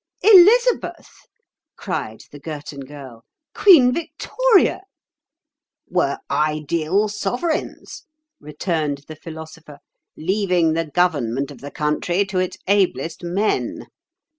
"Elizabeth!" cried the Girton Girl. "Queen Victoria!" "Were ideal sovereigns," returned the Philosopher, "leaving the government of the country to its ablest men.